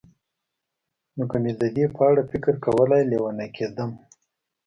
نو که مې د دې په اړه فکر کولای، لېونی کېدم.